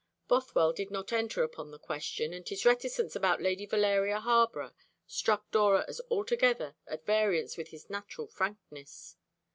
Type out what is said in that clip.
Bothwell did not enter upon the question, and his reticence about Lady Valeria Harborough struck Dora as altogether at variance with his natural frankness.